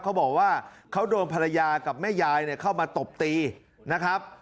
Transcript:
เขาบอกว่าเขาโดนภรรยากับแม่ยายเข้ามาตบตีนะครับ